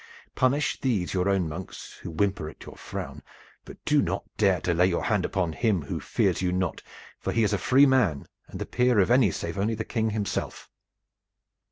Punish these your own monks, who whimper at your frown, but do not dare to lay your hand upon him who fears you not, for he is a free man, and the peer of any save only the King himself."